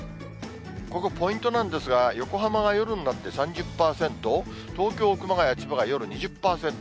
ここ、ポイントなんですが、横浜は夜になって３０％、東京、熊谷、千葉が夜２０％。